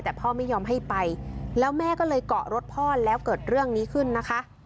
แต่พ่อไม่ยอมให้ไปแล้วแม่ก็เลยเกาะรถพ่อแล้วเกิดเรื่องนี้ขึ้นนะคะ